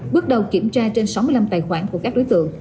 bước đầu kiểm tra trên sáu mươi năm tài khoản của các đối tượng